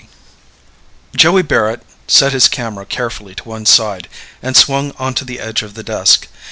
] Joey Barrett set his camera carefully to one side and swung onto the edge of the desk.